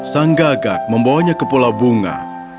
sang gagak membawanya ke pulau bunga